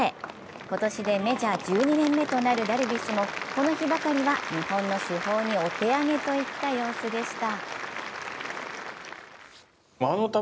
今年でメジャー１２年目となるダルビッシュもこの日ばかりは日本の主砲にお手上げといった様子でした。